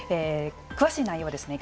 詳しい内容はですね